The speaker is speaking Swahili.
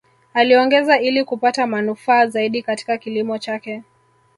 Aliongeza ili kupata manufaa zaidi Katika kilimo chake